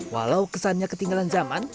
walau kesannya ketinggalan zaman